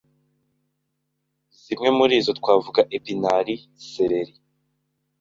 zimwe muri zo twavuga epinard, celeri